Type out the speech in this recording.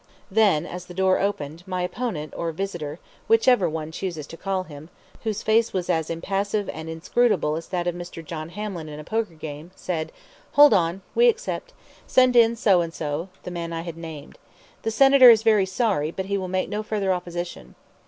Then, as the door opened, my opponent, or visitor, whichever one chooses to call him, whose face was as impassive and as inscrutable as that of Mr. John Hamlin in a poker game, said: "Hold on! We accept. Send in So and so [the man I had named]. The Senator is very sorry, but he will make no further opposition!"